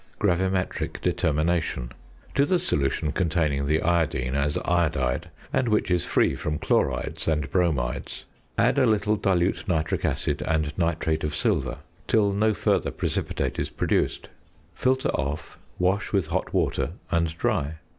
GRAVIMETRIC DETERMINATION. To the solution containing the iodine, as iodide, and which is free from chlorides (and bromides), add a little dilute nitric acid and nitrate of silver till no further precipitate is produced. Filter off, wash with hot water, and dry.